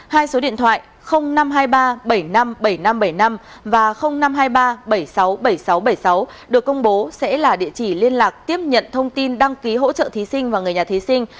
hai số điện thoại năm trăm hai mươi ba bảy mươi năm bảy nghìn năm trăm bảy mươi năm và năm trăm hai mươi ba bảy mươi sáu bảy nghìn sáu trăm bảy mươi sáu được công bố sẽ là địa chỉ liên lạc tiếp nhận thông tin đăng ký hỗ trợ thí sinh và người nhà thí sinh